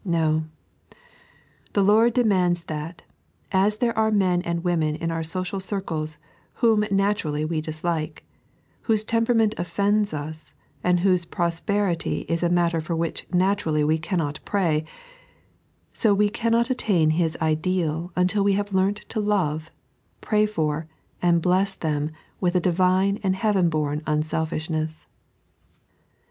No ; the Lord demands that, as there are men and women in our social circles whom naturally we dislike, whose tem perament offends us, and whose prosperity is a matter for which naturally we cannot pray, so we cannot attain His ideal until we have learnt to love, pray for, and bless them with a Divine and heaven bom unselfishness.